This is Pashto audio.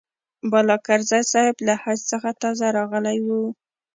بالاکرزی صاحب له حج څخه تازه راغلی و.